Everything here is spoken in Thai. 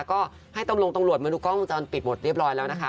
แล้วก็ให้ตรงโรงตรงรวดมาดูกล้องมุมจรปิดหมดเรียบร้อยแล้วนะคะ